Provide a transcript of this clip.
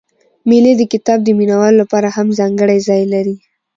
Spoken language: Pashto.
مېلې د کتاب د مینه والو له پاره هم ځانګړى ځای لري.